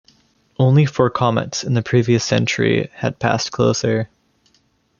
Only four comets in the previous century had passed closer.